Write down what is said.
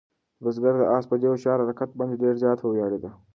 بزګر د آس په دې هوښیار حرکت باندې ډېر زیات وویاړېده.